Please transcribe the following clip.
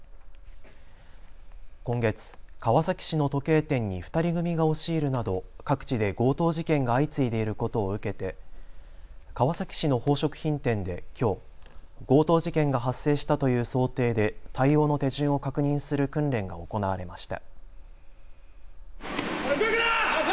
今月、川崎市の時計店に２人組が押し入るなど各地で強盗事件が相次いでいることを受けて川崎市の宝飾品店できょう強盗事件が発生したという想定で対応の手順を確認する訓練が行われました。